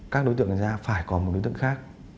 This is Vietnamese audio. các đối tượng này ra phải có một đối tượng khác